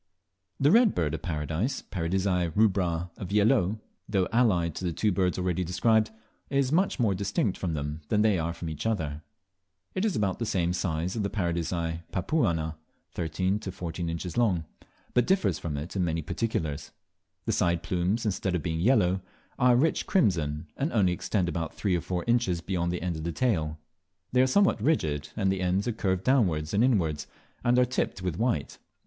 The Red Bird of Paradise (Paradisea rubra of Viellot), though allied to the two birds already described, is much more distinct from them than they are from each other. It is about the same size as Paradisea papuana (13 to 14 inches long), but differs from it in many particulars. The side plumes, instead of being yellow, are rich crimson, and only extend about three or four inches beyond the end of the tail; they are somewhat rigid, and the ends are curved downwards and inwards, and are tipped with white.